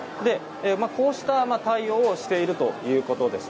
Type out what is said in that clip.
こうした対応をしているということです。